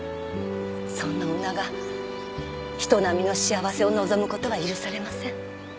そんな女が人並みの幸せを望む事は許されません。